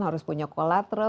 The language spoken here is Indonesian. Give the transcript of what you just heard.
harus punya kolateral